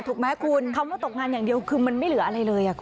ถูกไหมคุณคำว่าตกงานอย่างเดียวคือมันไม่เหลืออะไรเลยคุณ